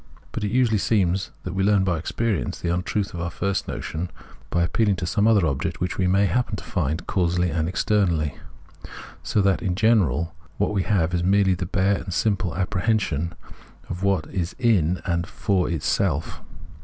But it usually seems that we learn by experience the untruth of our first notion by appealing to some other object which we may happen to find casually and externally; so that, in general, what we have is merely the bare and simple appre hension of what is in and for itself.